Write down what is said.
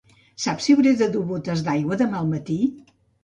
Saps si hauré de dur botes d'aigua demà al matí?